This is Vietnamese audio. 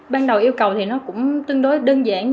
ban đầu yêu cầu thì nó cũng tương đối đơn giản